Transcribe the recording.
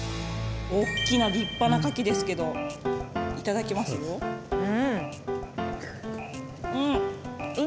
大きな立派なかきですけど頂きますよ。